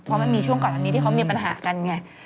เพราะมันมีช่วงก่อนอันนี้ที่เขามีปัญหากันไง